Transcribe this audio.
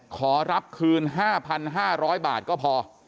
ขอรับคืน๕๕๐๐บาทก็พอ